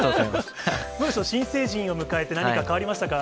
どうでしょう、新成人を迎えて何か変わりましたか？